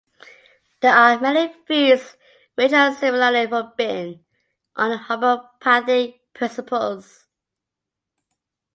There are many foods which are similarly forbidden on homeopathic principles.